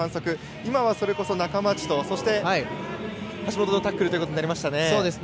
今は、それこそ中町と橋本のタックルということになりましたね。